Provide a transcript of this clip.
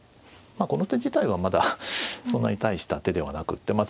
この手自体はまだそんなに大した手ではなくて。